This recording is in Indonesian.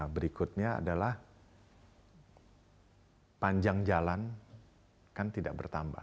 berikutnya adalah panjang jalan kan tidak bertambah